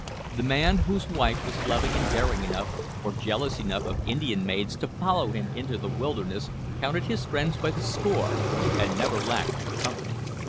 The man whose wife was loving and daring enough, or jealous enough of Indian maids, to follow him into the wilderness counted his friends by the score and never lacked for company.